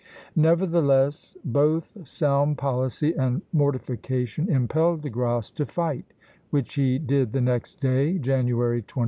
Nevertheless, both sound policy and mortification impelled De Grasse to fight, which he did the next day, January 26.